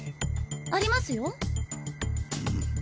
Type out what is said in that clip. ありますよ。